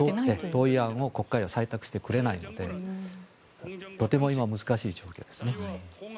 同意案を国会は採択してくれないのでとても今、難しい状況です。